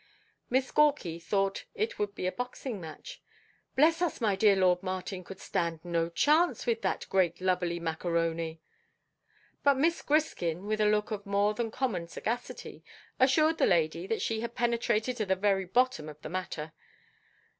Miss Gawky thought it would be a boxing match. "Bless us, my dear lord Martin could stand no chance with that great lubberly macaroni." But Miss Griskin, with a look of more than common sagacity, assured the ladies that she had penetrated to the very bottom of the matter.